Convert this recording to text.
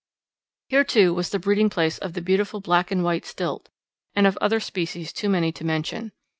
Here, too, was the breeding place of the beautiful black and white stilt, and of other species too many to mention.